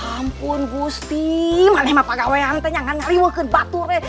ampun gusti mah nema pak gawain teh jangan ngari weh ke batur deh